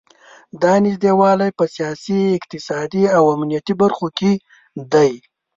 دا نږدې والی په سیاسي، اقتصادي او امنیتي برخو کې دی.